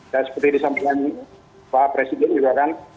dan seperti disampaikan pak presiden juga kan